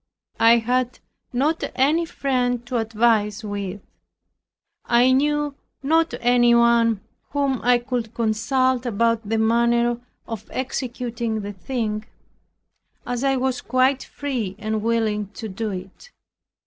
I had not any friend to advise with. I knew not anyone whom I could consult about the manner of executing the thing, as I was quite free and willing to do it.